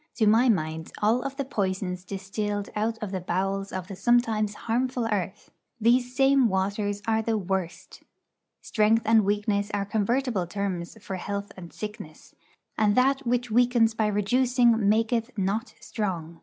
To my mind, of all the poisons distilled out of the bowels of the sometimes harmful earth, these same waters are the worst. Strength and weakness are convertible terms for health and sickness; and that which weakens by reducing maketh not strong.